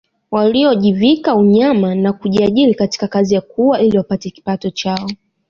Waliojivika unyama na kujiajiri katika kazi ya kuua ili wapate kipato chao